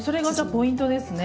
ポイントですね。